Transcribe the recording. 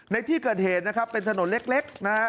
ในที่เกิดเหตุนะครับเป็นถนนเล็กนะฮะ